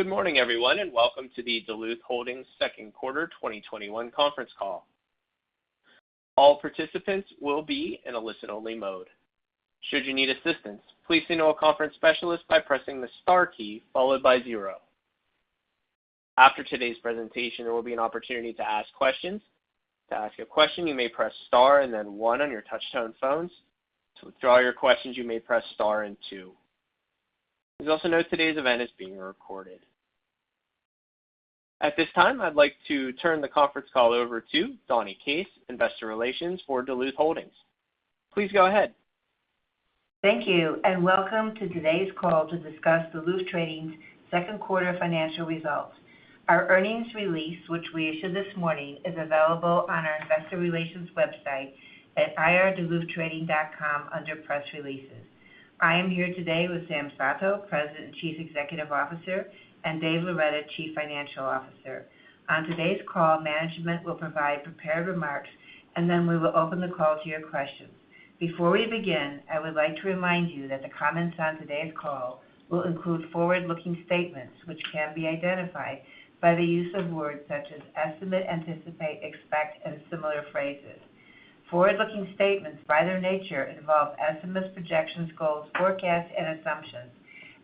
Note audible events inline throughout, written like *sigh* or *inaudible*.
Good morning, everyone, welcome to the Duluth Holdings second quarter 2021 conference call. All participants will be in a listen-only mode. Should you need assistance please signal a conference specialist by pressing the star key followed by zero. Today's presentation will be an opportunity to ask questions. To ask a question you may press star and then one on your touch-tone phones. To withdraw your questions you may press star and two. Please also note that today's event shall be recorded. At this time, I'd like to turn the conference call over to Donni Case, investor relations for Duluth Holdings. Please go ahead. Thank you, and welcome to today's call to discuss Duluth Trading's second quarter financial results. Our earnings release, which we issued this morning, is available on our Investor Relations website at ir.duluthtrading.com under Press Releases. I am here today with Sam Sato, President and Chief Executive Officer, and Dave Loretta, Chief Financial Officer. On today's call, Management will provide prepared remarks, and then we will open the call to your questions. Before we begin, I would like to remind you that the comments on today's call will include forward-looking statements, which can be identified by the use of words such as estimate, anticipate, expect, and similar phrases. Forward-looking statements, by their nature, involve estimates, projections, goals, forecasts, and assumptions,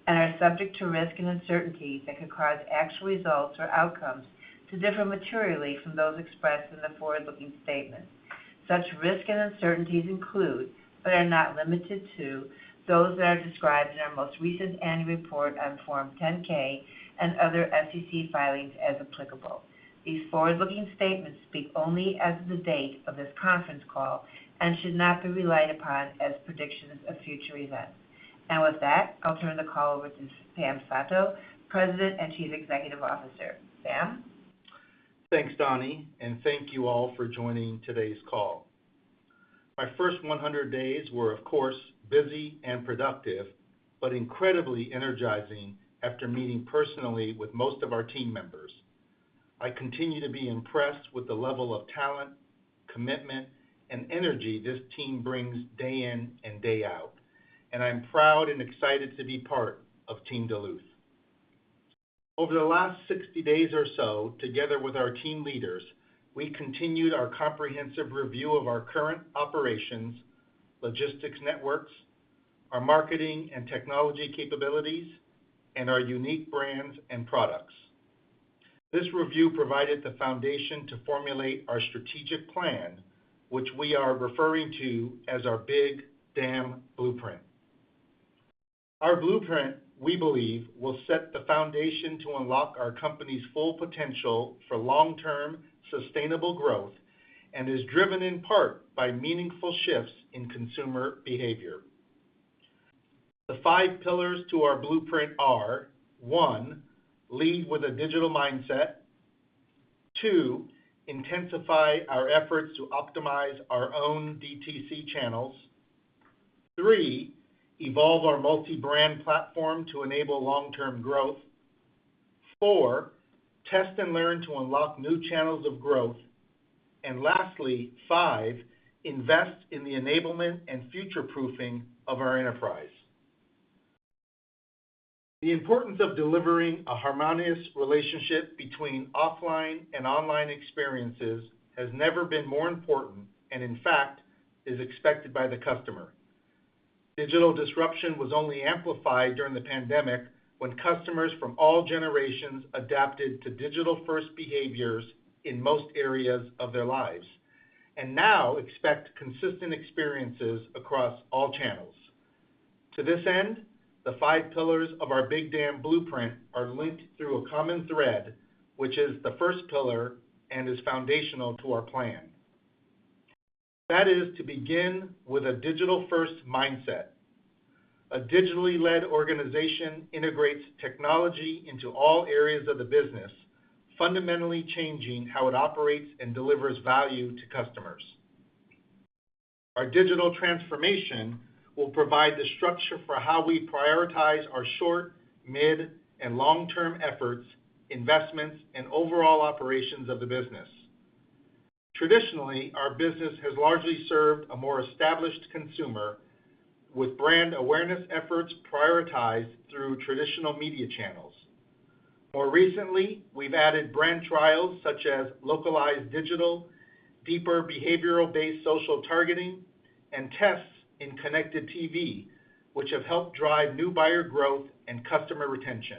and are subject to risks and uncertainties that could cause actual results or outcomes to differ materially from those expressed in the forward-looking statements. Such risks and uncertainties include, but are not limited to, those that are described in our most recent annual report on Form 10-K and other SEC filings as applicable. These forward-looking statements speak only as of the date of this conference call and should not be relied upon as predictions of future events. Now with that, I'll turn the call over to Sam Sato, President and Chief Executive Officer. Sam? Thanks, Donni, thank you all for joining today's call. My first 100 days were, of course, busy and productive, but incredibly energizing after meeting personally with most of our team members. I continue to be impressed with the level of talent, commitment, and energy this team brings day in and day out. I'm proud and excited to be part of Team Duluth. Over the last 60 days or so, together with our team leaders, we continued our comprehensive review of our current operations, logistics networks, our marketing and technology capabilities, and our unique brands and products. This review provided the foundation to formulate our strategic plan, which we are referring to as our Big Dam Blueprint. Our Blueprint, we believe, will set the foundation to unlock our company's full potential for long-term, sustainable growth and is driven in part by meaningful shifts in consumer behavior. The five pillars to our blueprint are, One, lead with a digital mindset. Two, intensify our efforts to optimize our own DTC channels. Three evolve our multi-brand platform to enable long-term growth. Four, test and learn to unlock new channels of growth. Lastly, five, invest in the enablement and future-proofing of our enterprise. The importance of delivering a harmonious relationship between offline and online experiences has never been more important and, in fact, is expected by the customer. Digital disruption was only amplified during the pandemic, when customers from all generations adapted to digital-first behaviors in most areas of their lives, and now expect consistent experiences across all channels. To this end, the five pillars of our Big Dam Blueprint are linked through a common thread, which is the first pillar and is foundational to our plan. That is to begin with a digital-first mindset. A digitally led organization integrates technology into all areas of the business, fundamentally changing how it operates and delivers value to customers. Our digital transformation will provide the structure for how we prioritize our short-, mid-, and long-term efforts, investments, and overall operations of the business. Traditionally, our business has largely served a more established consumer with brand awareness efforts prioritized through traditional media channels. More recently, we've added brand trials such as localized digital, deeper behavioral-based social targeting, and tests in connected TV, which have helped drive new buyer growth and customer retention.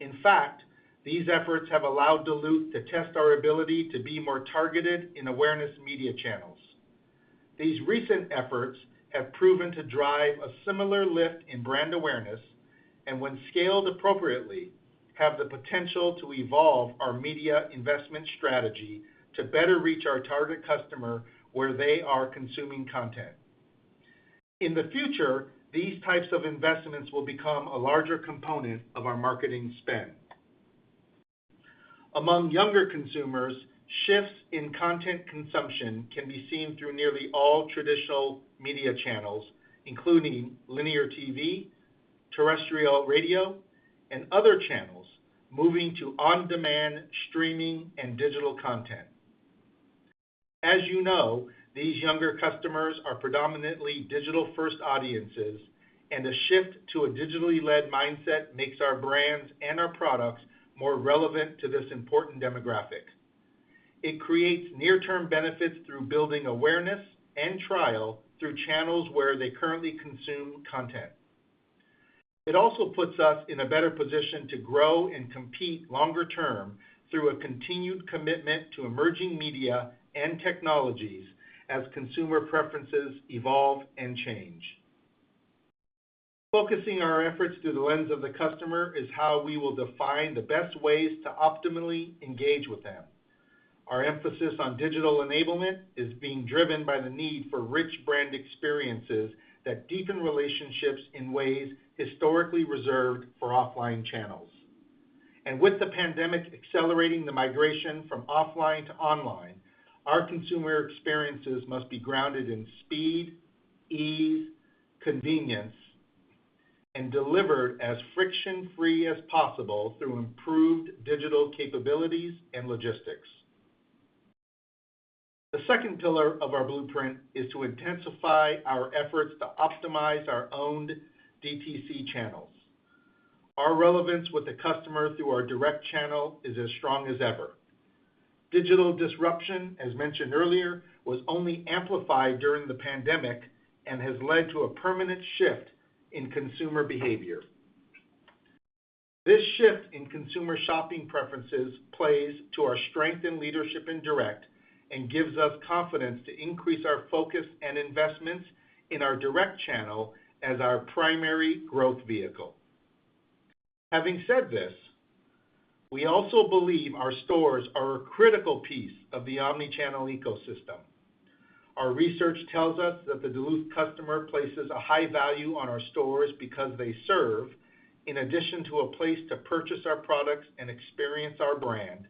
In fact, these efforts have allowed Duluth to test our ability to be more targeted in awareness media channels. These recent efforts have proven to drive a similar lift in brand awareness, and when scaled appropriately, have the potential to evolve our media investment strategy to better reach our target customer where they are consuming content. In the future, these types of investments will become a larger component of our marketing spend. Among younger consumers, shifts in content consumption can be seen through nearly all traditional media channels, including linear TV, terrestrial radio, and other channels moving to on-demand streaming and digital content. As you know, these younger customers are predominantly digital-first audiences, and a shift to a digitally led mindset makes our brands and our products more relevant to this important demographic. It creates near-term benefits through building awareness and trial through channels where they currently consume content. It also puts us in a better position to grow and compete longer term through a continued commitment to emerging media and technologies as consumer preferences evolve and change. Focusing our efforts through the lens of the customer is how we will define the best ways to optimally engage with them. Our emphasis on digital enablement is being driven by the need for rich brand experiences that deepen relationships in ways historically reserved for offline channels. With the pandemic accelerating the migration from offline to online, our consumer experiences must be grounded in speed, ease, convenience, and delivered as friction-free as possible through improved digital capabilities and logistics. The second pillar of our blueprint is to intensify our efforts to optimize our owned DTC channels. Our relevance with the customer through our direct channel is as strong as ever. Digital disruption, as mentioned earlier, was only amplified during the pandemic and has led to a permanent shift in consumer behavior. This shift in consumer shopping preferences plays to our strength in leadership in direct and gives us confidence to increase our focus and investments in our direct channel as our primary growth vehicle. Having said this, we also believe our stores are a critical piece of the omnichannel ecosystem. Our research tells us that the Duluth customer places a high value on our stores because they serve, in addition to a place to purchase our products and experience our brand,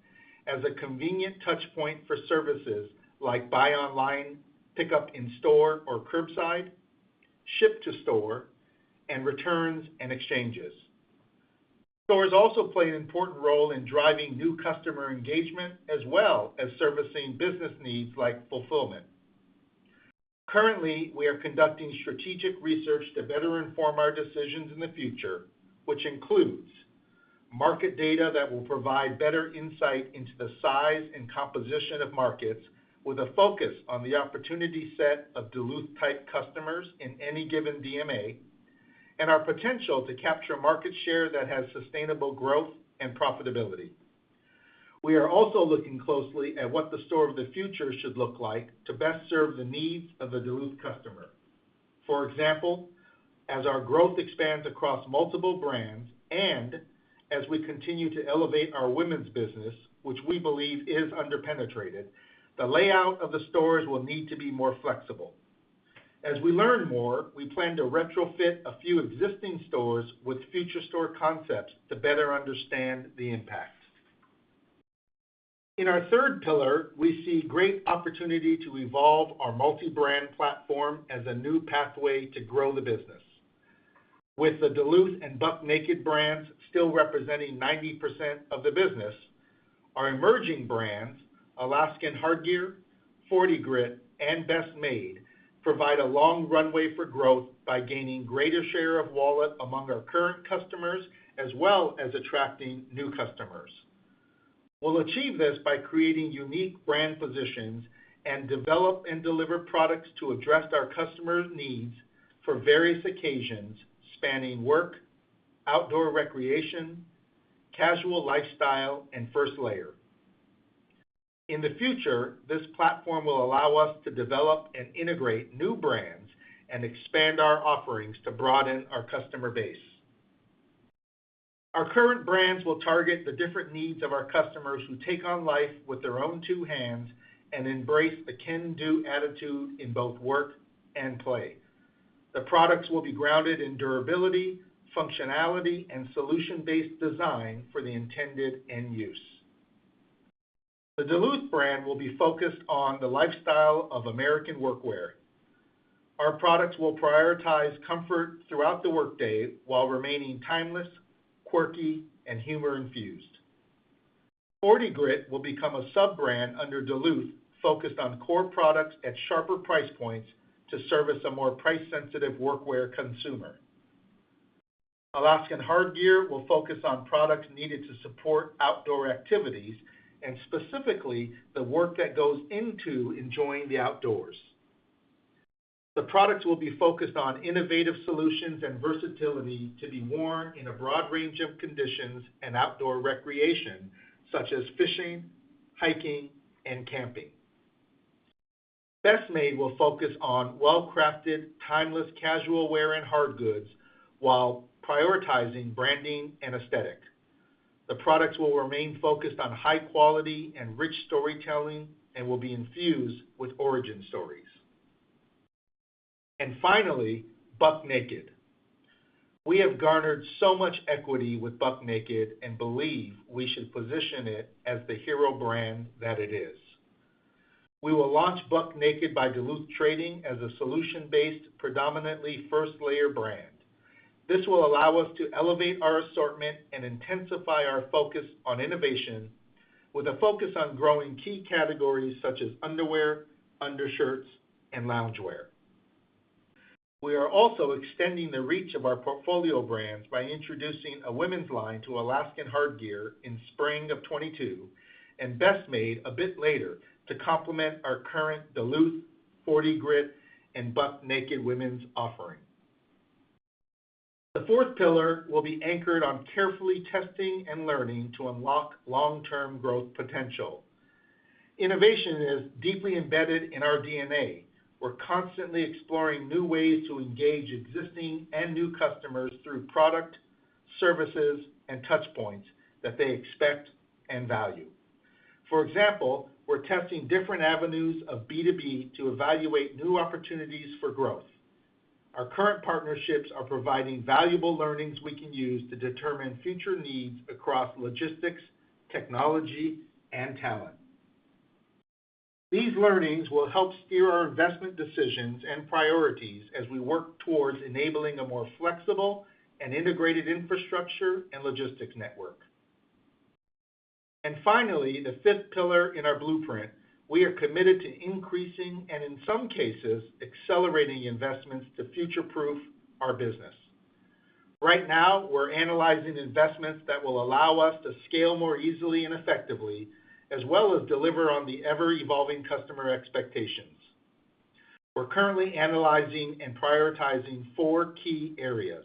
as a convenient touch point for services like buy online, pickup in store or curbside, ship to store, and returns and exchanges. Stores also play an important role in driving new customer engagement, as well as servicing business needs like fulfillment. Currently, we are conducting strategic research to better inform our decisions in the future, which includes market data that will provide better insight into the size and composition of markets with a focus on the opportunity set of Duluth-type customers in any given DMA, and our potential to capture market share that has sustainable growth and profitability. We are also looking closely at what the store of the future should look like to best serve the needs of the Duluth customer. For example, as our growth expands across multiple brands and as we continue to elevate our Women's business, which we believe is under-penetrated, the layout of the stores will need to be more flexible. As we learn more, we plan to retrofit a few existing stores with future store concepts to better understand the impact. In our third pillar, we see great opportunity to evolve our multi-brand platform as a new pathway to grow the business. With the Duluth and Buck Naked brands still representing 90% of the business, our emerging brands, Alaskan Hardgear, 40 Grit, and Best Made, provide a long runway for growth by gaining greater share of wallet among our current customers, as well as attracting new customers. We'll achieve this by creating unique brand positions and develop and deliver products to address our customers' needs for various occasions, spanning work, outdoor recreation, casual lifestyle, and first layer. In the future, this platform will allow us to develop and integrate new brands and expand our offerings to broaden our customer base. Our current brands will target the different needs of our customers who take on life with their own two hands and embrace the can-do attitude in both work and play. The products will be grounded in durability, functionality, and solution-based design for the intended end use. The Duluth brand will be focused on the lifestyle of American workwear. Our products will prioritize comfort throughout the workday while remaining timeless, quirky, and humor-infused. 40 Grit will become a sub-brand under Duluth, focused on core products at sharper price points to service a more price-sensitive workwear consumer. Alaskan Hardgear will focus on products needed to support outdoor activities, and specifically the work that goes into enjoying the outdoors. The products will be focused on innovative solutions and versatility to be worn in a broad range of conditions and outdoor recreation, such as fishing, hiking, and camping. Best Made will focus on well-crafted, timeless casual wear and hard goods while prioritizing branding and aesthetic. The products will remain focused on high quality and rich storytelling and will be infused with origin stories. Finally, Buck Naked. We have garnered so much equity with Buck Naked and believe we should position it as the hero brand that it is. We will launch Buck Naked by Duluth Trading as a solution-based, predominantly first-layer brand. This will allow us to elevate our assortment and intensify our focus on innovation with a focus on growing key categories such as underwear, undershirts, and loungewear. We are also extending the reach of our portfolio brands by introducing a Women's line to Alaskan Hardgear in spring of 2022, and Best Made a bit later to complement our current Duluth, 40 Grit, and Buck Naked Women's offering. The fourth pillar will be anchored on carefully testing and learning to unlock long-term growth potential. Innovation is deeply embedded in our DNA. We're constantly exploring new ways to engage existing and new customers through product, services, and touch points that they expect and value. For example, we're testing different avenues of B2B to evaluate new opportunities for growth. Our current partnerships are providing valuable learnings we can use to determine future needs across logistics, technology, and talent. These learnings will help steer our investment decisions and priorities as we work towards enabling a more flexible and integrated infrastructure and logistics network. Finally, the fifth pillar in our blueprint, we are committed to increasing, and in some cases, accelerating investments to future-proof our business. Right now, we're analyzing investments that will allow us to scale more easily and effectively, as well as deliver on the ever-evolving customer expectations. We're currently analyzing and prioritizing four key areas.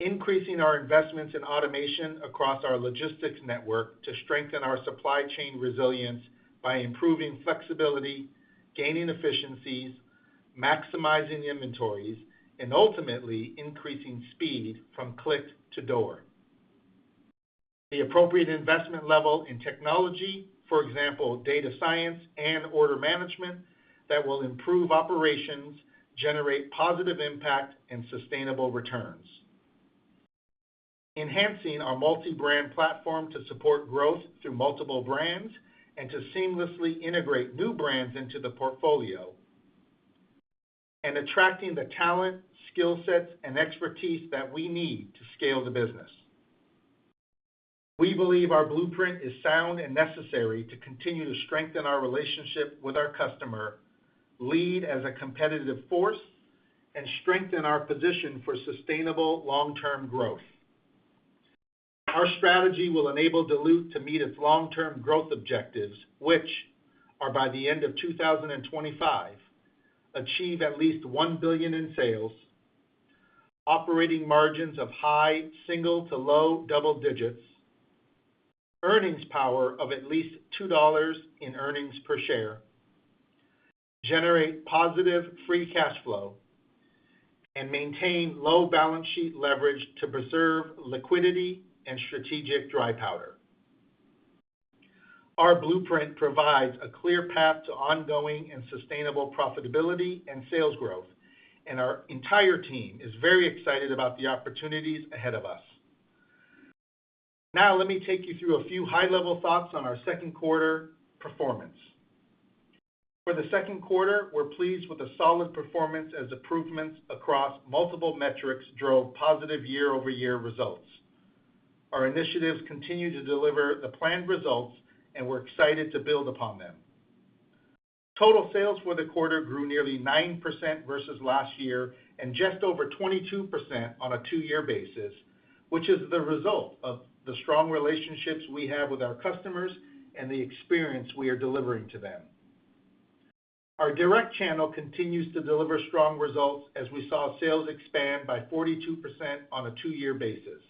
Increasing our investments in automation across our logistics network to strengthen our supply chain resilience by improving flexibility, gaining efficiencies, maximizing inventories, and ultimately increasing speed from click-to-door. The appropriate investment level in technology, for example, data science and order management, that will improve operations, generate positive impact, and sustainable returns. Enhancing our multi-brand platform to support growth through multiple brands and to seamlessly integrate new brands into the portfolio. Attracting the talent, skill sets, and expertise that we need to scale the business. We believe our blueprint is sound and necessary to continue to strengthen our relationship with our customer, lead as a competitive force, and strengthen our position for sustainable long-term growth. Our strategy will enable Duluth to meet its long-term growth objectives, which are by the end of 2025: achieve at least $1 billion in sales, operating margins of high single to low double digits, earnings power of at least $2 in earnings per share, generate positive free cash flow, and maintain low balance sheet leverage to preserve liquidity and strategic dry powder. Our blueprint provides a clear path to ongoing and sustainable profitability and sales growth. Our entire team is very excited about the opportunities ahead of us. Now, let me take you through a few high-level thoughts on our second quarter performance. For the second quarter, we're pleased with the solid performance as improvements across multiple metrics drove positive year-over-year results. Our initiatives continue to deliver the planned results, and we're excited to build upon them. Total sales for the quarter grew nearly 9% versus last year and just over 22% on a two-year basis, which is the result of the strong relationships we have with our customers and the experience we are delivering to them. Our direct channel continues to deliver strong results as we saw sales expand by 42% on a two-year basis.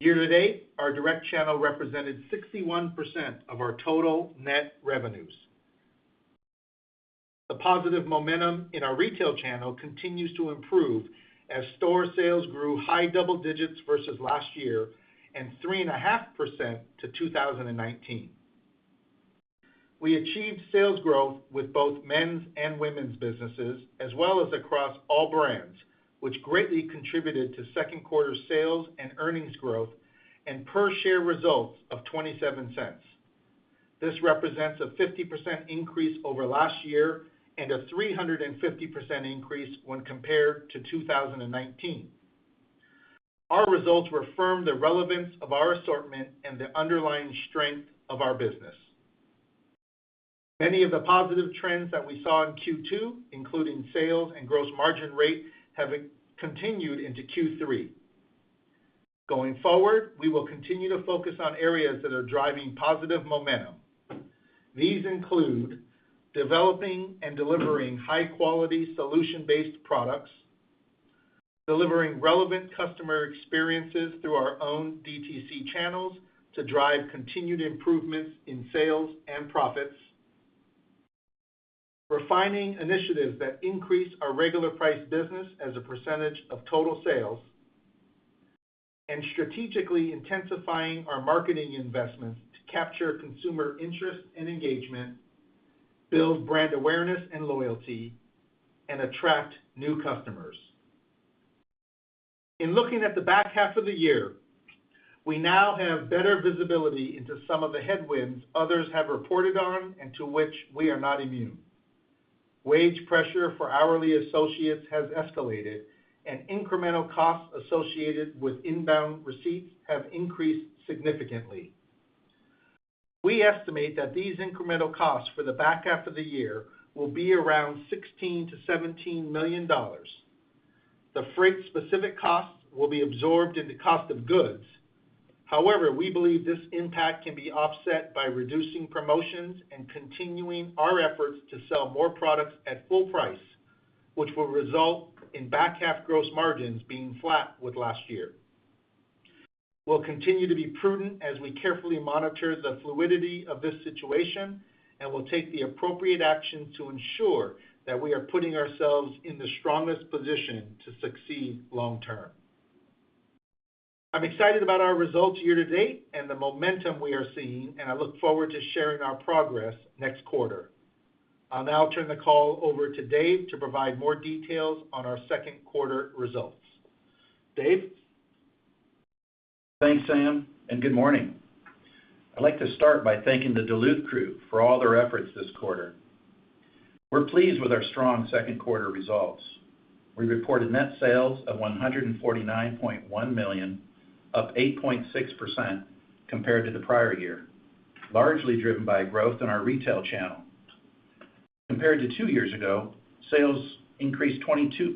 Year-to-date, our direct channel represented 61% of our total net revenues. The positive momentum in our retail channel continues to improve as store sales grew high double digits versus last year and 3.5% to 2019. We achieved sales growth with both Men's and Women's businesses, as well as across all brands, which greatly contributed to second quarter sales and earnings growth and per share results of $0.27. This represents a 50% increase over last year and a 350% increase when compared to 2019. Our results reaffirmed the relevance of our assortment and the underlying strength of our business. Many of the positive trends that we saw in Q2, including sales and gross margin rate, have continued into Q3. Going forward, we will continue to focus on areas that are driving positive momentum. These include developing and delivering high-quality, solution-based products, delivering relevant customer experiences through our own DTC channels to drive continued improvements in sales and profits, refining initiatives that increase our regular priced business as a percentage of total sales, and strategically intensifying our marketing investments to capture consumer interest and engagement, build brand awareness and loyalty, and attract new customers. In looking at the back half of the year, we now have better visibility into some of the headwinds others have reported on and to which we are not immune. Wage pressure for hourly associates has escalated, and incremental costs associated with inbound receipts have increased significantly. We estimate that these incremental costs for the back half of the year will be around $16 million-$17 million. The freight specific costs will be absorbed in the cost of goods. We believe this impact can be offset by reducing promotions and continuing our efforts to sell more products at full price, which will result in back-half gross margins being flat with last year. We'll continue to be prudent as we carefully monitor the fluidity of this situation, and we'll take the appropriate action to ensure that we are putting ourselves in the strongest position to succeed long term. I'm excited about our results year-to-date and the momentum we are seeing, and I look forward to sharing our progress next quarter. I'll now turn the call over to Dave to provide more details on our second quarter results. Dave? Thanks, Sam. Good morning. I'd like to start by thanking the Duluth crew for all their efforts this quarter. We're pleased with our strong second quarter results. We reported net sales of $149.1 million, up 8.6% compared to the prior year, largely driven by growth in our retail channel. Compared to two years ago, sales increased 22%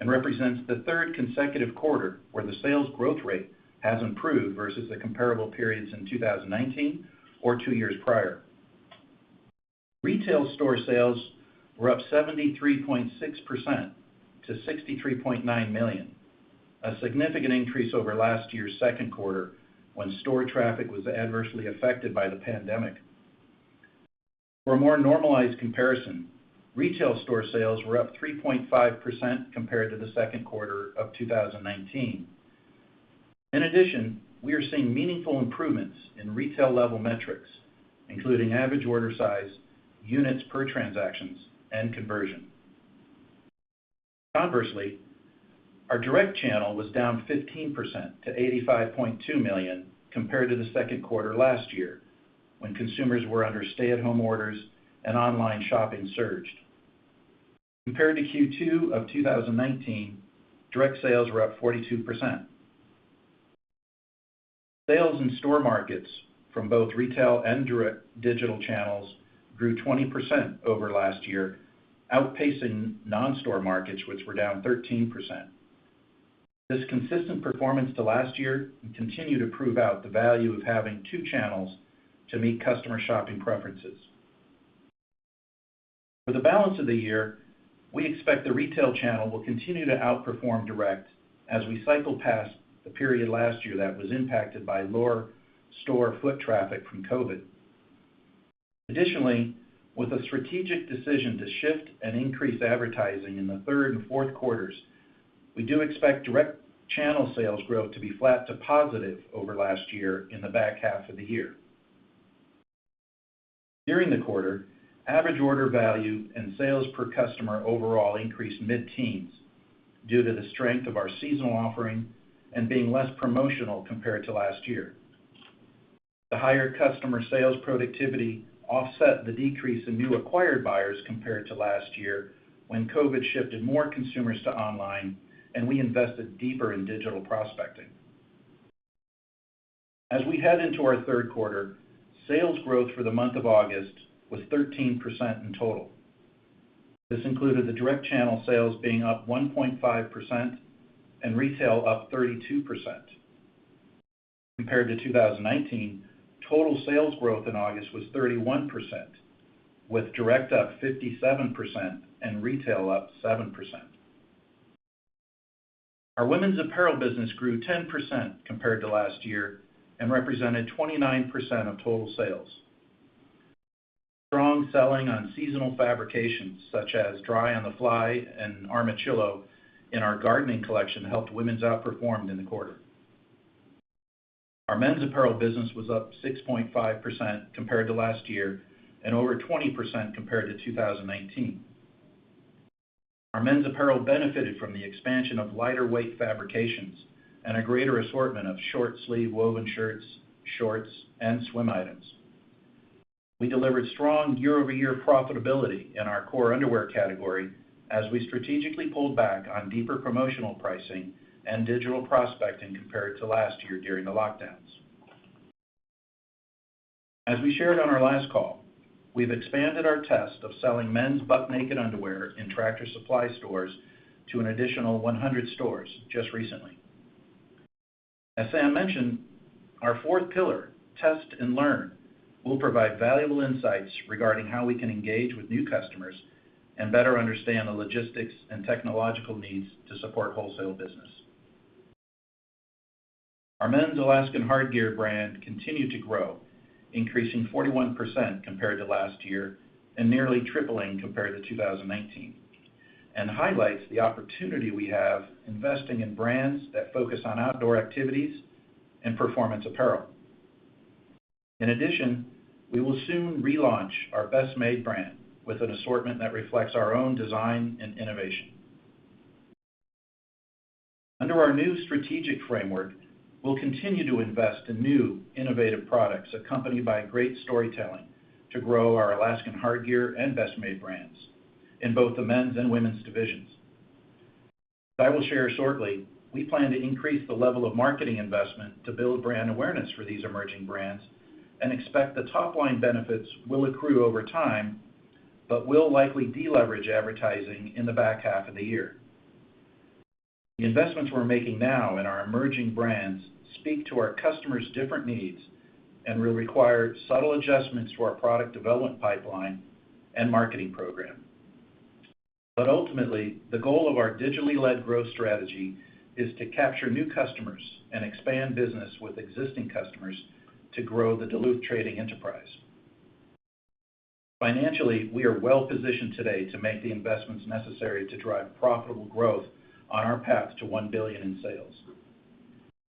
and represents the third consecutive quarter where the sales growth rate has improved versus the comparable periods in 2019 or two years prior. Retail store sales were up 73.6% to $63.9 million, a significant increase over last year's second quarter when store traffic was adversely affected by the pandemic. For a more normalized comparison, retail store sales were up 3.5% compared to the second quarter of 2019. In addition, we are seeing meaningful improvements in retail-level metrics, including average order size, units per transactions, and conversion. Conversely, our direct channel was down 15% to $85.2 million compared to the second quarter last year, when consumers were under stay-at-home orders and online shopping surged. Compared to Q2 of 2019, direct sales were up 42%. Sales in store markets from both retail and direct digital channels grew 20% over last year, outpacing non-store markets, which were down 13%. This consistent performance to last year continue to prove out the value of having two channels to meet customer shopping preferences. For the balance of the year, we expect the retail channel will continue to outperform direct as we cycle past the period last year that was impacted by lower store foot traffic from COVID. Additionally, with a strategic decision to shift and increase advertising in the third and fourth quarters, we do expect direct channel sales growth to be flat to positive over last year in the back half of the year. During the quarter, average order value and sales per customer overall increased mid-teens due to the strength of our seasonal offering and being less promotional compared to last year. The higher customer sales productivity offset the decrease in new acquired buyers compared to last year when COVID shifted more consumers to online and we invested deeper in digital prospecting. As we head into our third quarter, sales growth for the month of August was 13% in total. This included the direct channel sales being up 1.5% and retail up 32%. Compared to 2019, total sales growth in August was 31%, with direct up 57% and retail up 7%. Our Women's apparel business grew 10% compared to last year and represented 29% of total sales. Strong selling on seasonal fabrications such as Dry on the Fly and Armachillo in our Gardening collection helped Women's outperformed in the quarter. Our Men's apparel business was up 6.5% compared to last year and over 20% compared to 2019. Our men's apparel benefited from the expansion of lighter weight fabrications and a greater assortment of short sleeve woven shirts, shorts, and swim items. We delivered strong year-over-year profitability in our core underwear category as we strategically pulled back on deeper promotional pricing and digital prospecting compared to last year during the lockdowns. As we shared on our last call, we've expanded our test of selling men's Buck Naked underwear in Tractor Supply stores to an additional 100 stores just recently. As Sam mentioned, our fourth pillar, test and learn, will provide valuable insights regarding how we can engage with new customers and better understand the logistics and technological needs to support wholesale business. Our Men's Alaskan Hardgear brand continued to grow, increasing 41% compared to last year and nearly tripling compared to 2019, and highlights the opportunity we have investing in brands that focus on outdoor activities and performance apparel. In addition, we will soon relaunch our Best Made brand with an assortment that reflects our own design and innovation. Under our new strategic framework, we'll continue to invest in new innovative products accompanied by great storytelling to grow our Alaskan Hardgear and Best Made brands in both the Men's and Women's divisions. As I will share shortly, we plan to increase the level of marketing investment to build brand awareness for these emerging brands and expect the top-line benefits will accrue over time, but will likely de-leverage advertising in the back half of the year. The investments we're making now in our emerging brands speak to our customers' different needs and will require subtle adjustments to our product development pipeline and marketing program. Ultimately, the goal of our digitally-led growth strategy is to capture new customers and expand business with existing customers to grow the Duluth Trading enterprise. Financially, we are well-positioned today to make the investments necessary to drive profitable growth on our path to $1 billion in sales.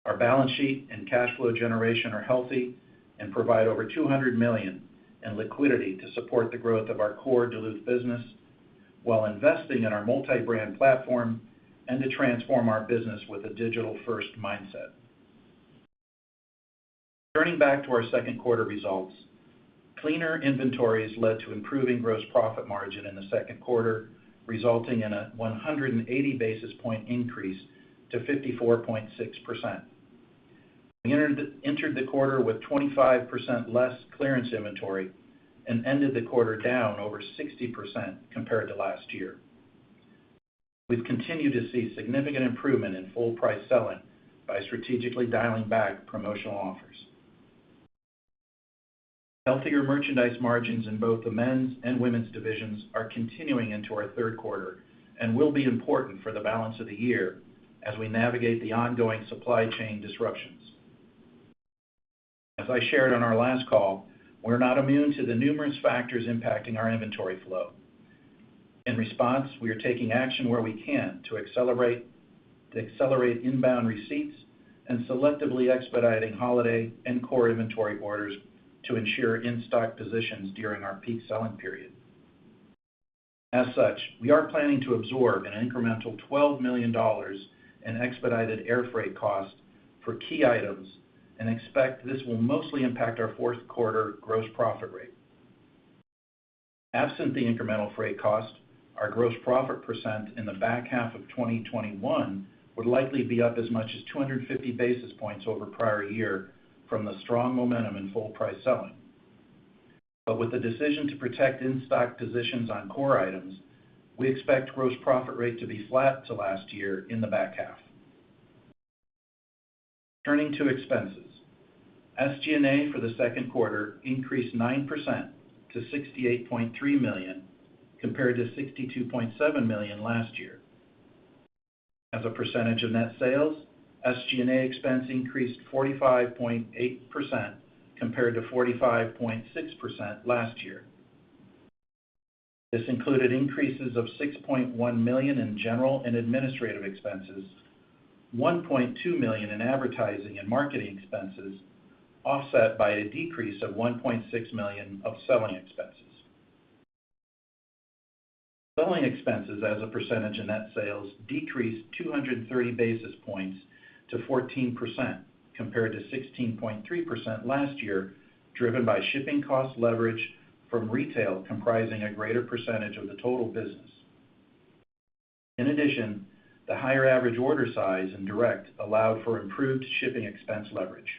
Our balance sheet and cash flow generation are healthy and provide over $200 million in liquidity to support the growth of our core Duluth business while investing in our multi-brand platform and to transform our business with a digital-first mindset. Turning back to our second quarter results. Cleaner inventories led to improving gross profit margin in the second quarter, resulting in a 180 basis point increase to 54.6%. We entered the quarter with 25% less clearance inventory and ended the quarter down over 60% compared to last year. We've continued to see significant improvement in full price selling by strategically dialing back promotional offers. Healthier merchandise margins in both the Men's and Women's divisions are continuing into our third quarter and will be important for the balance of the year as we navigate the ongoing supply chain disruptions. As I shared on our last call, we're not immune to the numerous factors impacting our inventory flow. In response, we are taking action where we can to accelerate inbound receipts and selectively expediting holiday and core inventory orders to ensure in-stock positions during our peak selling period. As such, we are planning to absorb an incremental $12 million in expedited air freight cost for key items and expect this will mostly impact our fourth quarter gross profit rate. Absent the incremental freight cost, our gross profit percent in the back half of 2021 would likely be up as much as 250 basis points over prior year from the strong momentum in full price selling. With the decision to protect in-stock positions on core items, we expect gross profit rate to be flat to last year in the back half. Turning to expenses. SG&A for the second quarter increased 9% to $68.3 million, compared to $62.7 million last year. As a percentage of net sales, SG&A expense increased 45.8% compared to 45.6% last year. This included increases of $6.1 million in general and administrative expenses, $1.2 million in advertising and marketing expenses, offset by a decrease of $1.6 million of selling expenses. Selling expenses as a percentage of net sales decreased 230 basis points to 14%, compared to 16.3% last year, driven by shipping cost leverage from retail comprising a greater percentage of the total business. In addition, the higher average order size in direct allowed for improved shipping expense leverage.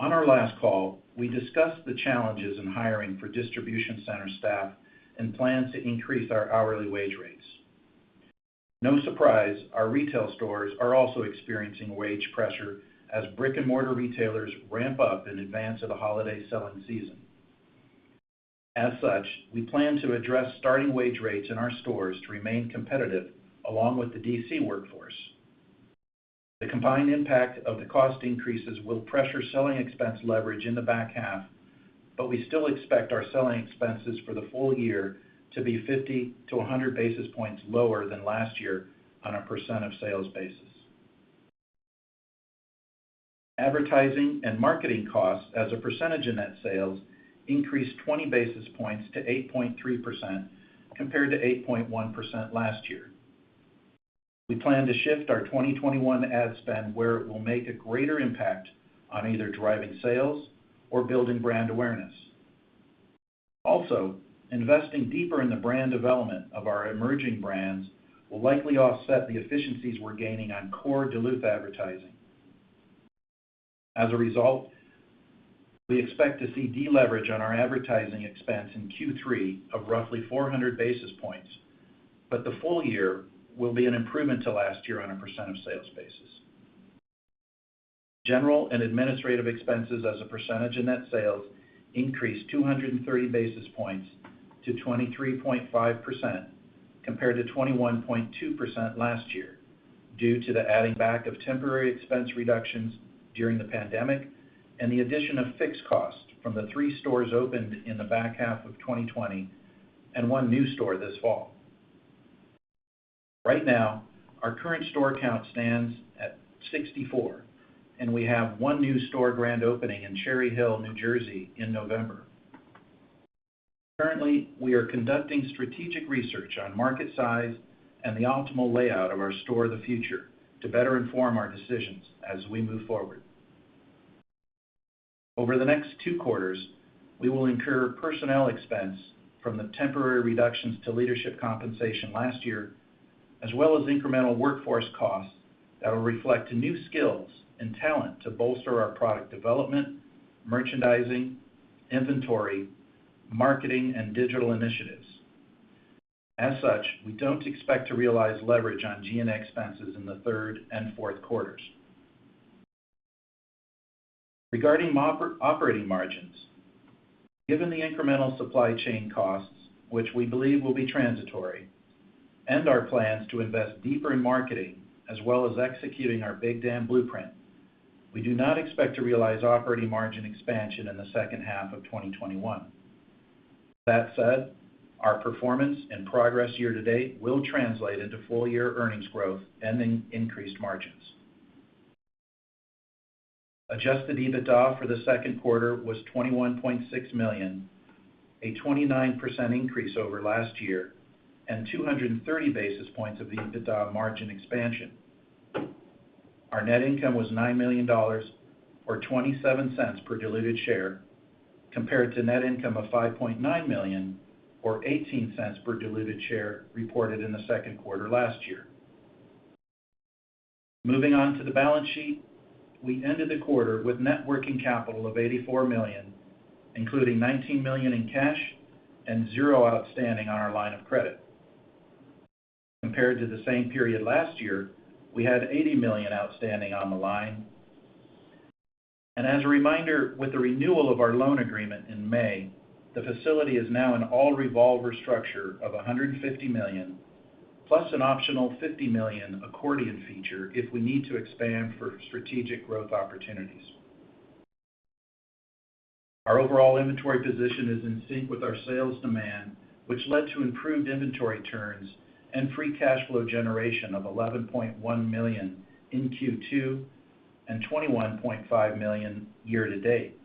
On our last call, we discussed the challenges in hiring for distribution center staff and plans to increase our hourly wage rates. No surprise, our retail stores are also experiencing wage pressure as brick-and-mortar retailers ramp-up in advance of the holiday selling season. As such, we plan to address starting wage rates in our stores to remain competitive along with the DC workforce. The combined impact of the cost increases will pressure selling expense leverage in the back half, but we still expect our selling expenses for the full year to be 50 basis points to 100 basis points lower than last year on a percent of sales basis. Advertising and marketing costs as a percentage of net sales increased 20 basis points to 8.3%, compared to 8.1% last year. We plan to shift our 2021 ad spend where it will make a greater impact on either driving sales or building brand awareness. Investing deeper in the brand development of our emerging brands will likely offset the efficiencies we're gaining on core Duluth advertising. We expect to see deleverage on our advertising expense in Q3 of roughly 400 basis points, but the full year will be an improvement to last year on a percent of sales basis. General and administrative expenses as a percentage of net sales increased 230 basis points to 23.5%, compared to 21.2% last year, due to the adding back of temporary expense reductions during the pandemic and the addition of fixed cost from the three stores opened in the back half of 2020 and one new store this fall. Right now, our current store count stands at 64, and we have one new store Grand Opening in Cherry Hill, New Jersey in November. Currently, we are conducting strategic research on market size and the optimal layout of our store of the future to better inform our decisions as we move forward. Over the next two quarters, we will incur personnel expense from the temporary reductions to leadership compensation last year, as well as incremental workforce costs that will reflect new skills and talent to bolster our product development, merchandising, inventory, marketing, and digital initiatives. As such, we don't expect to realize leverage on G&A expenses in the third and fourth quarters. Regarding operating margins, given the incremental supply chain costs, which we believe will be transitory, and our plans to invest deeper in marketing, as well as executing our Big Dam Blueprint, we do not expect to realize operating margin expansion in the second half of 2021. That said, our performance and progress year-to-date will translate into full-year earnings growth and increased margins. Adjusted EBITDA for the second quarter was $21.6 million, a 29% increase over last year and 230 basis points of the EBITDA margin expansion. Our net income was $9 million, or $0.27 per diluted share, compared to net income of $5.9 million, or $0.18 per diluted share, reported in the second quarter last year. Moving on to the balance sheet, we ended the quarter with net working capital of $84 million, including $19 million in cash and zero outstanding on our line of credit. Compared to the same period last year, we had $80 million outstanding on the line. As a reminder, with the renewal of our loan agreement in May, the facility is now an all-revolver structure of $150 million, plus an optional $50 million accordion feature if we need to expand for strategic growth opportunities. Our overall inventory position is in sync with our sales demand, which led to improved inventory turns and free cash flow generation of $11.1 million in Q2 and $21.5 million year-to-date.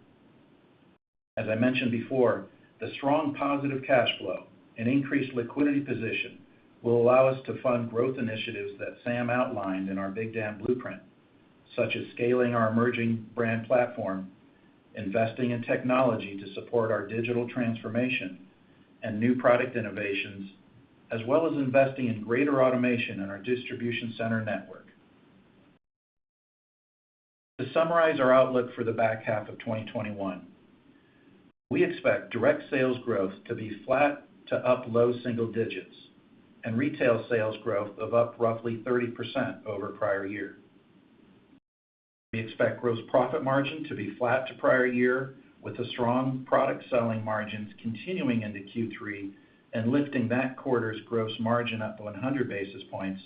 As I mentioned before, the strong positive cash flow and increased liquidity position will allow us to fund growth initiatives that Sam outlined in our Big Dam Blueprint, such as scaling our emerging brand platform, investing in technology to support our digital transformation and new product innovations, as well as investing in greater automation in our distribution center network. To summarize our outlook for the back half of 2021, we expect direct sales growth to be flat to up low single digits and retail sales growth of up roughly 30% over prior year. We expect gross profit margin to be flat to prior year, with the strong product selling margins continuing into Q3 and lifting that quarter's gross margin up 100 basis points.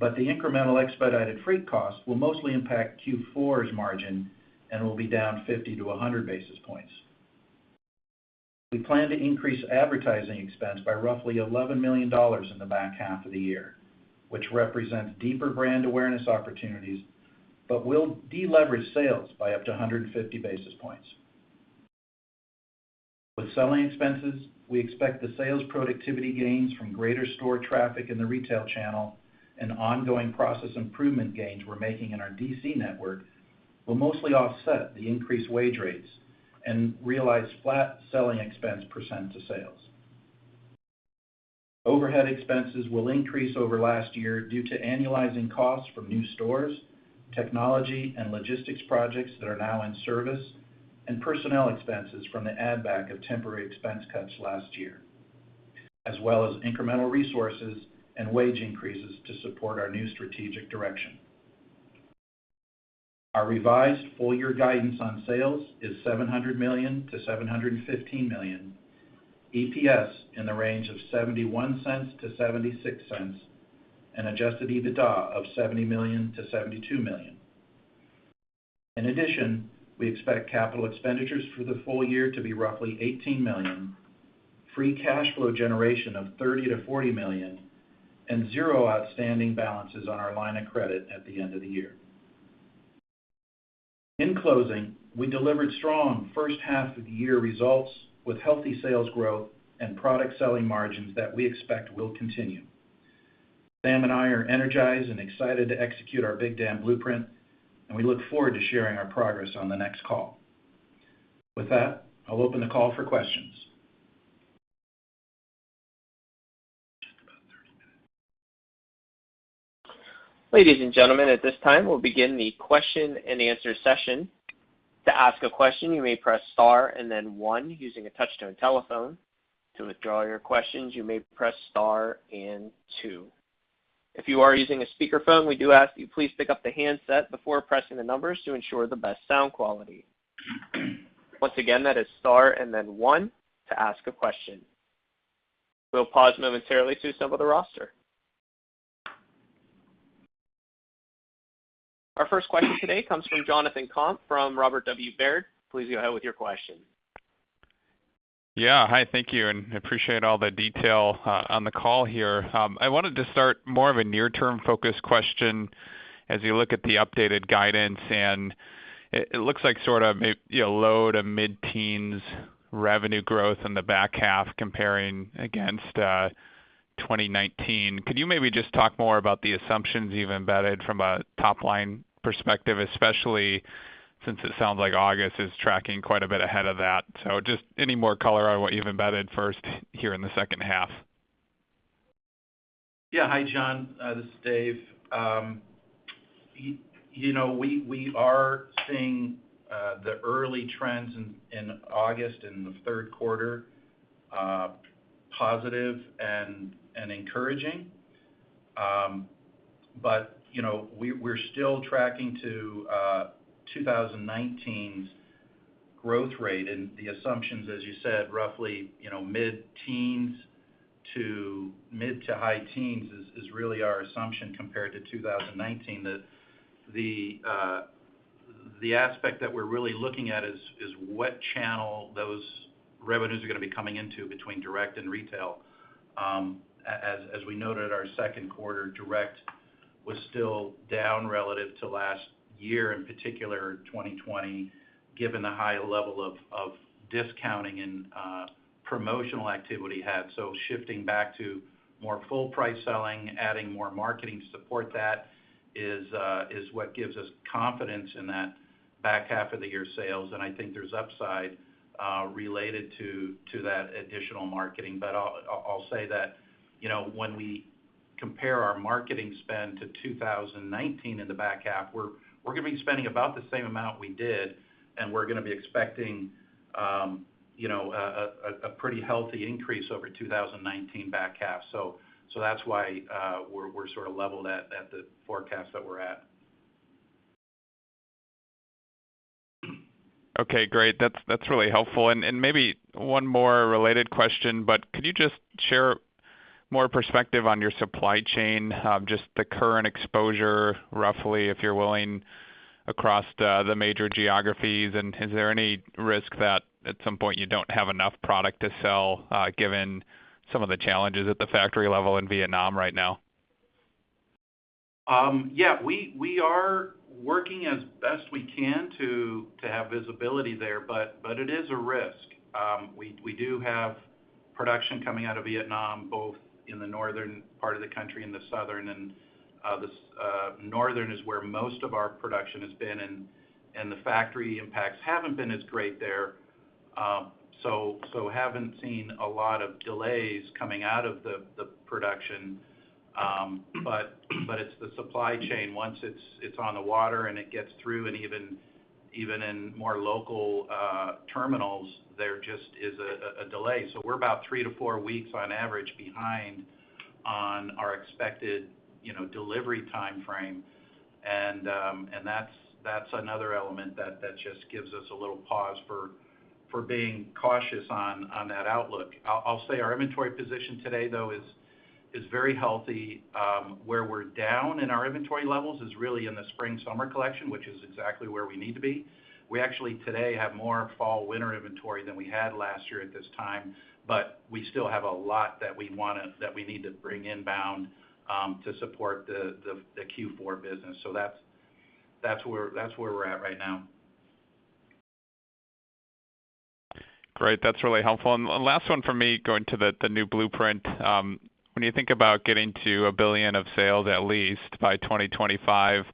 The incremental expedited freight costs will mostly impact Q4's margin and will be down 50 basis points-100 basis points. We plan to increase advertising expense by roughly $11 million in the back half of the year, which represents deeper brand awareness opportunities but will deleverage sales by up to 150 basis points. With selling expenses, we expect the sales productivity gains from greater store traffic in the retail channel and ongoing process improvement gains we're making in our DC network will mostly offset the increased wage rates and realize flat selling expense percent to sales. Overhead expenses will increase over last year due to annualizing costs from new stores, technology and logistics projects that are now in service, and personnel expenses from the add-back of temporary expense cuts last year, as well as incremental resources and wage increases to support our new strategic direction. Our revised full-year guidance on sales is $700 million-$715 million, EPS in the range of $0.71-$0.76, and adjusted EBITDA of $70 million-$72 million. In addition, we expect capital expenditures for the full year to be roughly $18 million, free cash flow generation of $30 million-$40 million, and zero outstanding balances on our line of credit at the end of the year. In closing, we delivered strong first half of the year results with healthy sales growth and product selling margins that we expect will continue. Sam and I are energized and excited to execute our Big Dam Blueprint, and we look forward to sharing our progress on the next call. With that, I'll open the call for questions. *audio distortion* Ladies and gentlemen at this time we'll begin the question-and-answer session. To ask a question you may press star and then one using your touch-tone telephone. To withdraw your question you may press star and two. If you are using a speakerphone we do ask that please you pick up the the handset before pressing the numbers to ensure the best sound quality. Once again that it star and then one to ask a question. We will pause momentarily to assemble the roster. Our first question today comes from Jonathan Komp from Robert W. Baird. Please go ahead with your question. Yeah. Hi, thank you. I appreciate all the detail on the call here. I wanted to start more of a near term focus question. As you look at the updated guidance, it looks like sort of low- to mid-teens revenue growth in the back half comparing against 2019. Could you maybe just talk more about the assumptions you've embedded from a top-line perspective, especially since it sounds like August is tracking quite a bit ahead of that. Just any more color on what you've embedded first here in the second half? Yeah. Hi, Jon. This is Dave. We are seeing the early trends in August in the third quarter positive and encouraging. We're still tracking to 2019's growth rate and the assumptions, as you said, roughly mid-teens to mid-to-high teens is really our assumption compared to 2019. The aspect that we're really looking at is what channel those revenues are going to be coming into between direct and retail. As we noted, our second quarter direct was still down relative to last year, in particular, 2020, given the high level of discounting and promotional activity had. Shifting back to more full price selling, adding more marketing support, that is what gives us confidence in that back half of the year sales. I think there's upside related to that additional marketing. I'll say that when we compare our marketing spend to 2019 in the back half, we're going to be spending about the same amount we did, and we're going to be expecting a pretty healthy increase over 2019 back half. That's why we're sort of leveled at the forecast that we're at. Okay, great. That's really helpful. Maybe one more related question, could you just share more perspective on your supply chain? Just the current exposure, roughly, if you're willing, across the major geographies, is there any risk that at some point you don't have enough product to sell, given some of the challenges at the factory level in Vietnam right now? Yeah. We are working as best we can to have visibility there, but it is a risk. We do have production coming out of Vietnam, both in the northern part of the country and the southern. The northern is where most of our production has been, and the factory impacts haven't been as great there. Haven't seen a lot of delays coming out of the production. It's the supply chain. Once it's on the water and it gets through, and even in more local terminals, there just is a delay. We're about three to four weeks on average behind on our expected delivery timeframe. That's another element that just gives us a little pause for being cautious on that outlook. I'll say our inventory position today, though, is very healthy. Where we're down in our inventory levels is really in the spring-summer collection, which is exactly where we need to be. We actually today have more fall-winter inventory than we had last year at this time. We still have a lot that we need to bring inbound to support the Q4 business. That's where we're at right now. Great. That's really helpful. Last one from me, going to the new blueprint. When you think about getting to a billion of sales at least by 2025,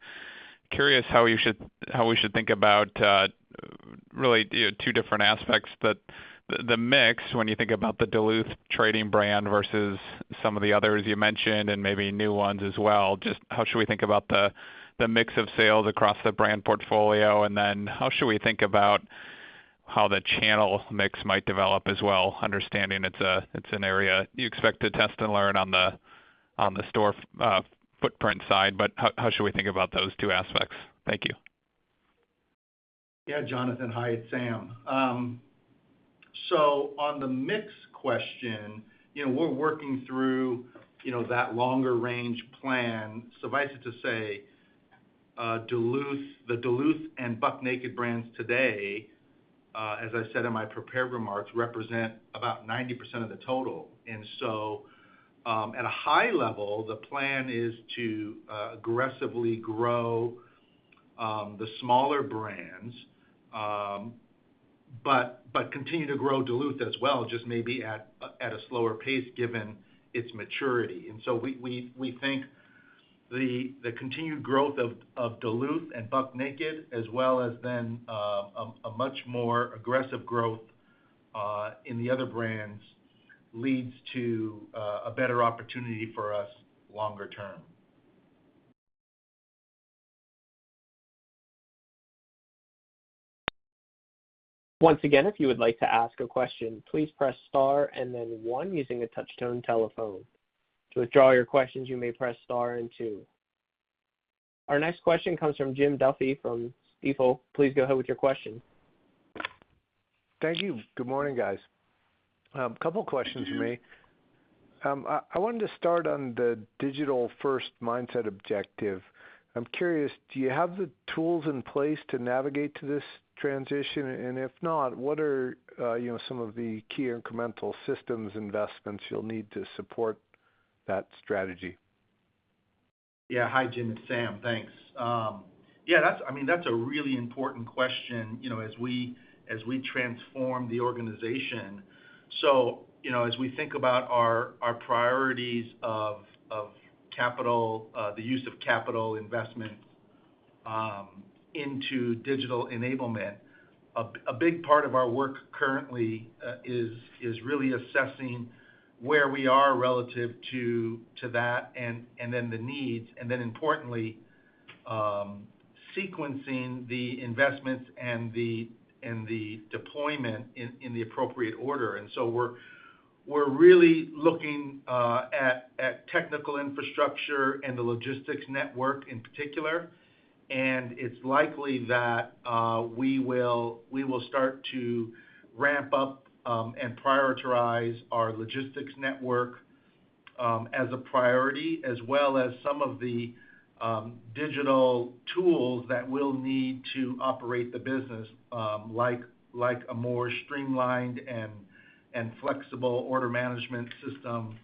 curious how we should think about really two different aspects? The mix, when you think about the Duluth Trading brand versus some of the others you mentioned and maybe new ones as well. Just how should we think about the mix of sales across the brand portfolio? How should we think about how the channel mix might develop as well, understanding it's an area you expect to test and learn on the store footprint side? How should we think about those two aspects? Thank you. Yeah. Jonathan, hi, it's Sam. On the mix question, we're working through that longer range plan. Suffice it to say, the Duluth and Buck Naked brands today, as I said in my prepared remarks, represent about 90% of the total. At a high level, the plan is to aggressively grow the smaller brands, but continue to grow Duluth as well, just maybe at a slower pace given its maturity. We think the continued growth of Duluth and Buck Naked, as well as then a much more aggressive growth in the other brands leads to a better opportunity for us longer term. Our next question comes from Jim Duffy from Stifel. Please go ahead with your question. Thank you. Good morning, guys. Couple questions for me. I wanted to start on the digital-first mindset objective. I'm curious, do you have the tools in place to navigate to this transition? If not, what are some of the key incremental systems investments you'll need to support that strategy? Yeah. Hi, Jim. It's Sam. Thanks. Yeah, that's a really important question as we transform the organization. As we think about our priorities of the use of capital investment into digital enablement, a big part of our work currently is really assessing where we are relative to that, and then the needs, and then importantly, sequencing the investments and the deployment in the appropriate order. We're really looking at technical infrastructure and the logistics network in particular, and it's likely that we will start to ramp up and prioritize our logistics network as a priority, as well as some of the digital tools that we'll need to operate the business, like a more streamlined and flexible order management system,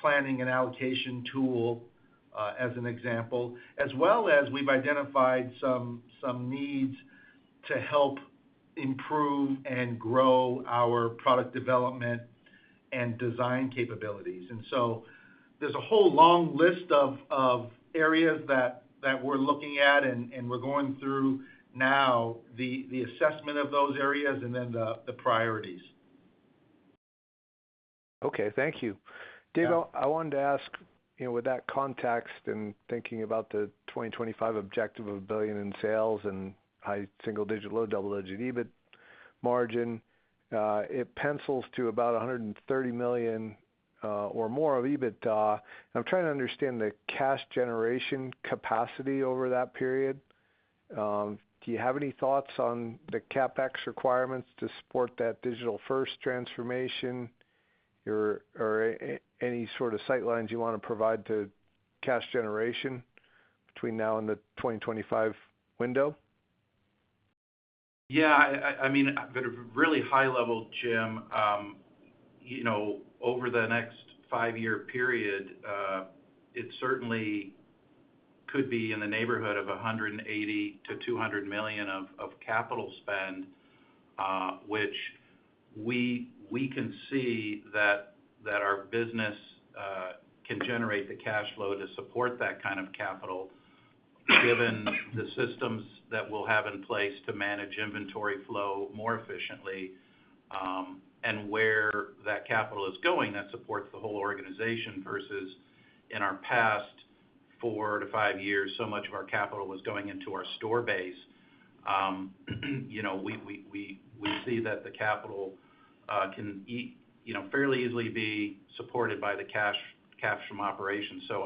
planning and allocation tool, as an example. As well as we've identified some needs to help improve and grow our product development and design capabilities. There's a whole long list of areas that we're looking at, and we're going through now the assessment of those areas and then the priorities. Okay. Thank you. Yeah. Dave, I wanted to ask with that context and thinking about the 2025 objective of a billion in sales and high single-digit, low double-digit EBIT margin, it pencils to about $130 million or more of EBITDA. I'm trying to understand the cash generation capacity over that period. Do you have any thoughts on the CapEx requirements to support that digital-first transformation or any sort of sight lines you want to provide to cash generation between now and the 2025 window? At a really high level, Jim, over the next five-year period, it certainly could be in the neighborhood of $180 million-$200 million of capital spend, which we can see that our business can generate the cash flow to support that kind of capital given the systems that we'll have in place to manage inventory flow more efficiently. Where that capital is going, that supports the whole organization versus in our past four to five years, so much of our capital was going into our store base.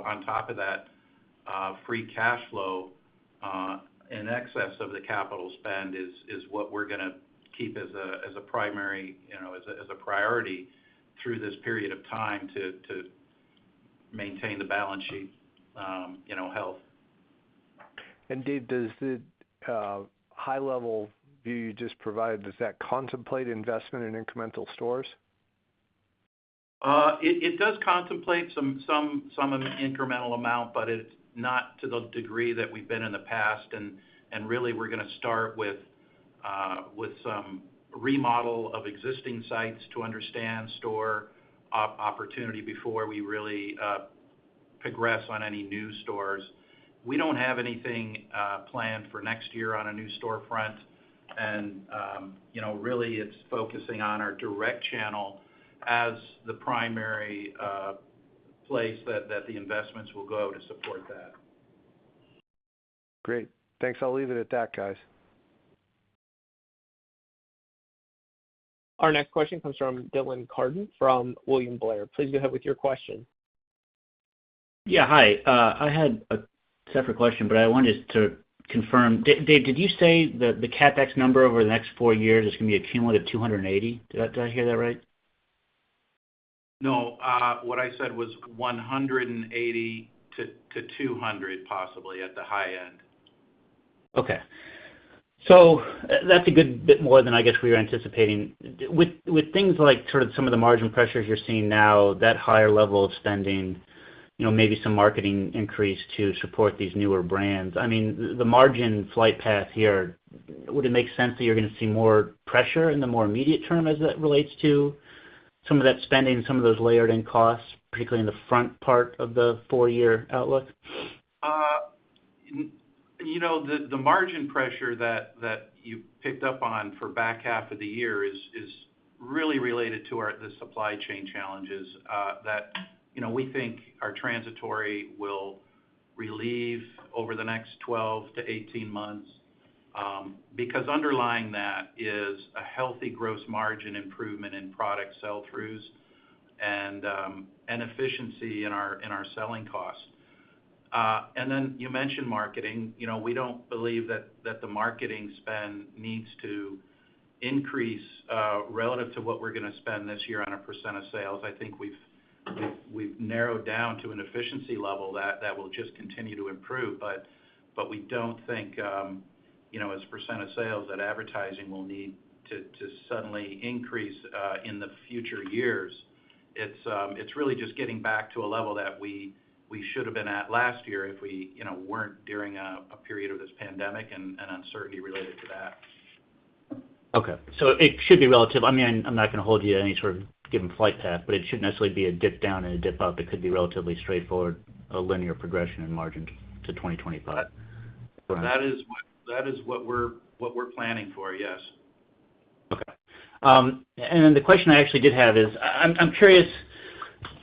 On top of that, free cash flow in excess of the capital spend is what we're going to keep as a priority through this period of time to maintain the balance sheet health. Dave, does the high-level view you just provided, does that contemplate investment in incremental stores? It does contemplate some of an incremental amount, but it's not to the degree that we've been in the past. Really, we're going to start with some remodel of existing sites to understand store opportunity before we really progress on any new stores. We don't have anything planned for next year on a new storefront. Really, it's focusing on our direct channel as the primary place that the investments will go to support that. Great. Thanks. I'll leave it at that, guys. Our next question comes from Dylan Carden from William Blair. Please go ahead with your question. Yeah. Hi. I had a separate question, but I wanted to confirm. Dave, did you say the CapEx number over the next four years is going to be a cumulative $280 million? Did I hear that right? No. What I said was $180 million-$200 million, possibly, at the high end. Okay. That's a good bit more than I guess we were anticipating. With things like sort of some of the margin pressures you're seeing now, that higher level of spending, maybe some marketing increase to support these newer brands. The margin flight path here, would it make sense that you're going to see more pressure in the more immediate term as that relates to some of that spending, some of those layered-in costs, particularly in the front part of the four-year outlook? The margin pressure that you picked up on for back half of the year is really related to the supply chain challenges that we think are transitory will relieve over the next 12-18 months. Underlying that is a healthy gross margin improvement in product sell-throughs and efficiency in our selling costs. You mentioned marketing. We don't believe that the marketing spend needs to increase relative to what we're going to spend this year on a percent of sales. I think we've narrowed down to an efficiency level that will just continue to improve, but we don't think, as a percent of sales, that advertising will need to suddenly increase in the future years. It's really just getting back to a level that we should've been at last year if we weren't during a period of this pandemic and uncertainty related to that. Okay. It should be relative. I'm not going to hold you to any sort of given flight path, it shouldn't necessarily be a dip down and a dip up. It could be relatively straightforward, a linear progression in margin to 2025. That is what we're planning for, yes. Okay. The question I actually did have is, I'm curious,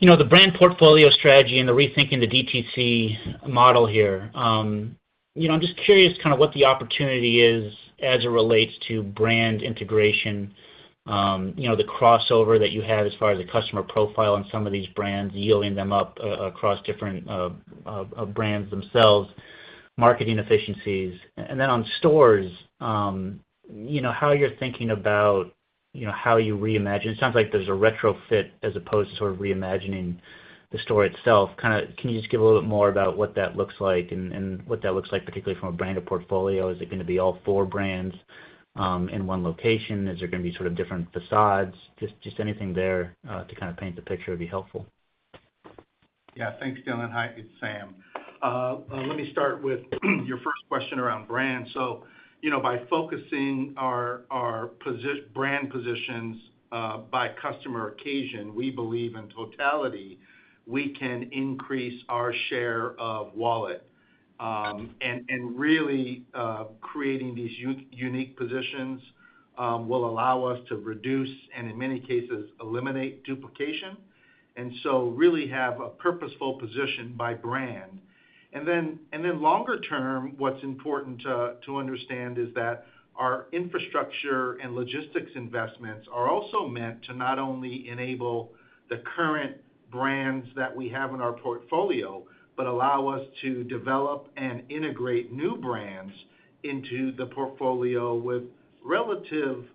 the brand portfolio strategy and the rethinking the DTC model here. I'm just curious what the opportunity is as it relates to brand integration, the crossover that you have as far as the customer profile on some of these brands, yielding them up across different brands themselves, marketing efficiencies. On stores, how you're thinking about how you reimagine It sounds like there's a retrofit as opposed to reimagining the store itself. Can you just give a little bit more about what that looks like, particularly from a brand to portfolio? Is it going to be all four brands in one location? Is there going to be different facades? Just anything there to paint the picture would be helpful. Yeah. Thanks, Dylan. Hi, it's Sam. Let me start with your first question around brands. By focusing our brand positions by customer occasion, we believe in totality, we can increase our share of wallet. Really creating these unique positions will allow us to reduce, and in many cases, eliminate duplication. Really have a purposeful position by brand. Longer term, what's important to understand is that our infrastructure and logistics investments are also meant to not only enable the current brands that we have in our portfolio, but allow us to develop and integrate new brands into the portfolio with relative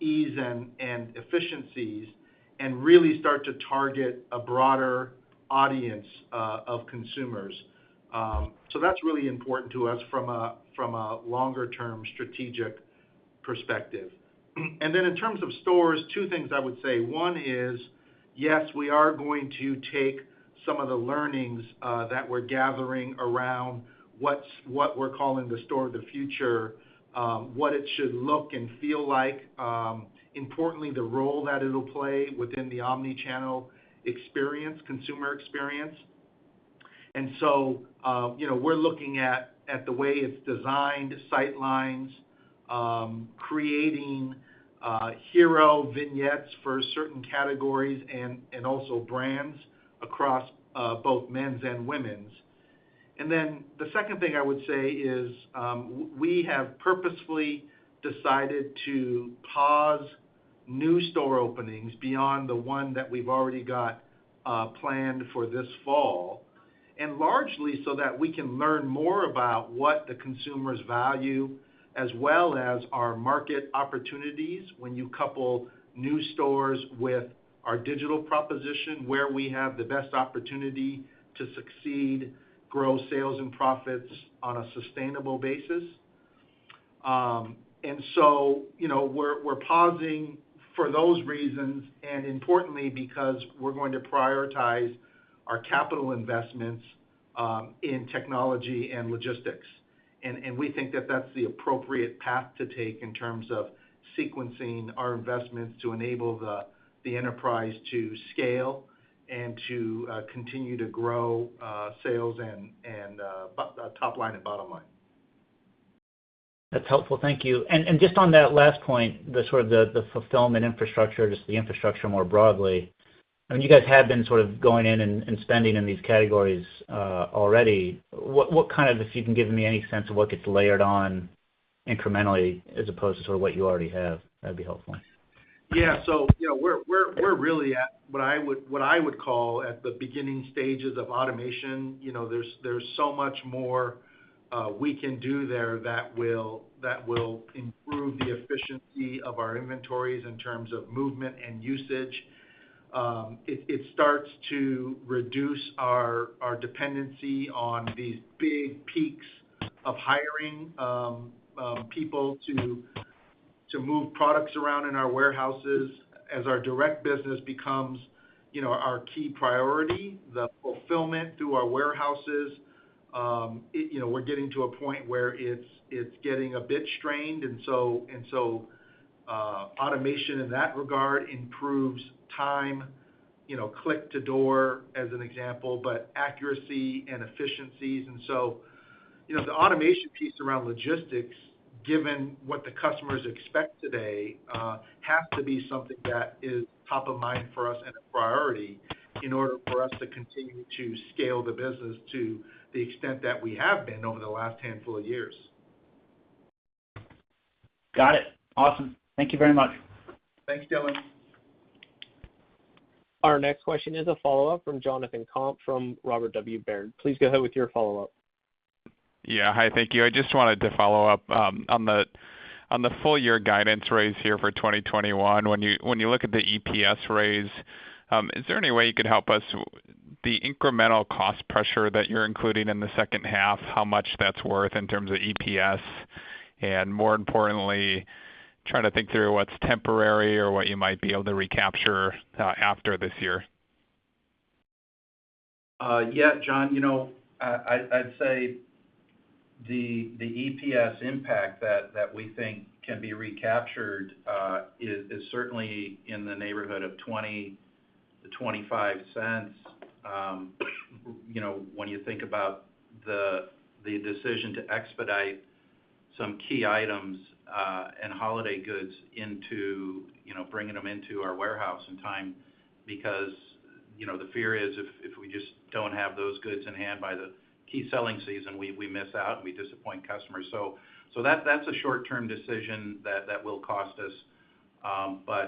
ease and efficiencies, and really start to target a broader audience of consumers. That's really important to us from a longer term strategic perspective. In terms of stores, two things I would say. One is, yes, we are going to take some of the learnings that we're gathering around what we're calling the store of the future, what it should look and feel like. Importantly, the role that it'll play within the omni-channel consumer experience. We're looking at the way it's designed, sight lines, creating hero vignettes for certain categories and also brands across both Men's and Women's. The second thing I would say is, we have purposefully decided to pause new store openings beyond the one that we've already got planned for this fall, and largely so that we can learn more about what the consumers value as well as our market opportunities when you couple new stores with our digital proposition, where we have the best opportunity to succeed, grow sales and profits on a sustainable basis. We're pausing for those reasons, and importantly because we're going to prioritize our capital investments in technology and logistics. We think that that's the appropriate path to take in terms of sequencing our investments to enable the enterprise to scale and to continue to grow sales and top line and bottom line. That's helpful. Thank you. Just on that last point, the sort of the fulfillment infrastructure, just the infrastructure more broadly. You guys have been going in and spending in these categories already. If you can give me any sense of what gets layered on incrementally as opposed to what you already have, that'd be helpful. We're really at what I would call at the beginning stages of automation. There's so much more we can do there that will improve the efficiency of our inventories in terms of movement and usage. It starts to reduce our dependency on these big peaks of hiring people to move products around in our warehouses. As our direct business becomes our key priority, the fulfillment through our warehouses, we're getting to a point where it's getting a bit strained. Automation in that regard improves time, click to door as an example, but accuracy and efficiencies. The automation piece around logistics, given what the customers expect today, has to be something that is top of mind for us and a priority in order for us to continue to scale the business to the extent that we have been over the last handful of years. Got it. Awesome. Thank you very much. Thanks, Dylan. Our next question is a follow-up from Jonathan Komp from Robert W. Baird. Please go ahead with your follow-up. Yeah. Hi, thank you. I just wanted to follow up on the full-year guidance raise here for 2021. When you look at the EPS raise, is there any way you could help us, the incremental cost pressure that you're including in the second half, how much that's worth in terms of EPS? More importantly, trying to think through what's temporary or what you might be able to recapture after this year. Yeah. John, I'd say the EPS impact that we think can be recaptured is certainly in the neighborhood of $0.20 to $0.25. When you think about the decision to expedite some key items and holiday goods, bringing them into our warehouse in time, because the fear is if we just don't have those goods in hand by the key selling season, we miss out and we disappoint customers. That's a short-term decision that will cost us.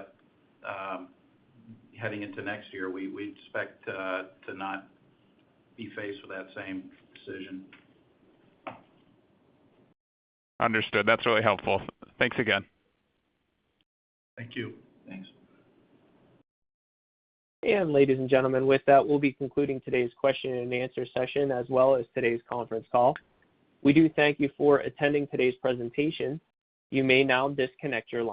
Heading into next year, we expect to not be faced with that same decision. Understood. That's really helpful. Thanks again. Thank you. Thanks. Ladies and gentlemen, with that, we'll be concluding today's question-and-answer session, as well as today's conference call. We do thank you for attending today's presentation. You may now disconnect your line.